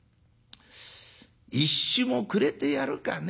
１朱もくれてやるかね。